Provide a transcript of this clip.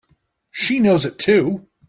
She knows it too!